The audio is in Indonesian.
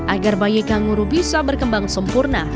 agar bayi kanguru bisa berkembang sempurna